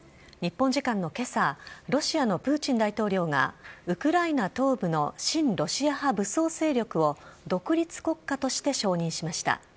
日本時間のけさ、ロシアのプーチン大統領が、ウクライナ東部の親ロシア派武装勢力を独立国家として承認しました。